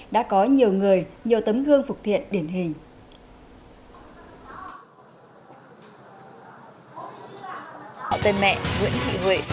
đã có nhiều người nhiều tấm gương phục thiện điển hình